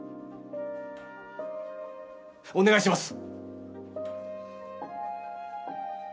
お願いします！